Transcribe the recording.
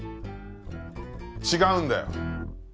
違うんだよ。